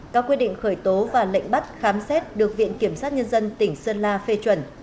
các quyết định khởi tố và lệnh bắt khám xét được viện kiểm sát nhân dân tỉnh sơn la phê chuẩn